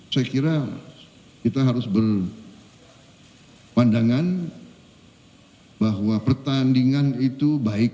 saya kira kita harus berpandangan bahwa pertandingan itu baik